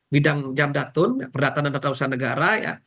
bidang jabdatun perdataan dan datang usaha negara